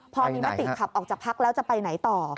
พอมีมติขับออกจากพักแล้วจะไปไหนต่อ